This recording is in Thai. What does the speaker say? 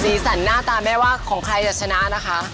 สันหน้าตาแม่ว่าของใครจะชนะนะคะ